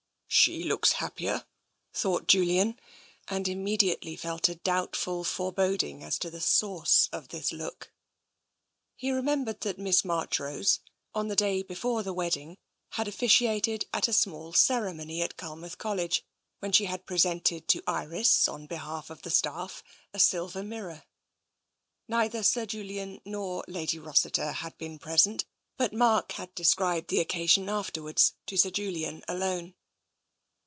" She looks happier,'* thought Julian, and imme diately felt a doubtful foreboding as to the source of that look. He remembered that Miss Marchrose, on the day before the wedding, had officiated at a small ceremony at Culmouth College, when she had presented to Iris, on behalf of the staff, a silver mirror. Neither Sir Julian nor Lady Rossiter had been pres ent, but Mark had described the occasion afterwards to Sir Julian alone.